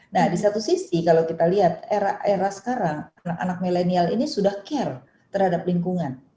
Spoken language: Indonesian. nah di satu sisi kalau kita lihat era era sekarang anak anak milenial ini sudah care terhadap lingkungan